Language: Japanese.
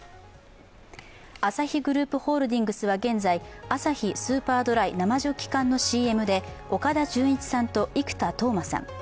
アサヒグループホールディングスは現在、アサヒスーパードライ生ジョッキ缶のＣＭで岡田准一さんと生田斗真さん